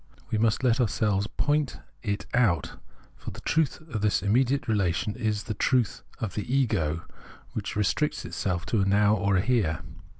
We must let ourselves foint it oh for the truth of this immediate relation is the trul of this ego which restricts itself to a Now or a Here.